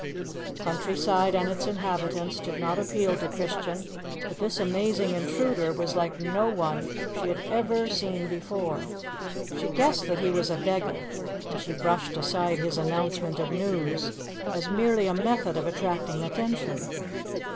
The countryside and its inhabitants did not appeal to Christian, but this amazing intruder was like no one she had ever seen before. She guessed that he was a beggar, and she brushed aside his announcement of news as merely a method of attracting attention.